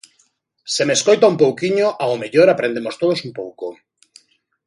Se me escoita un pouquiño, ao mellor aprendemos todos un pouco.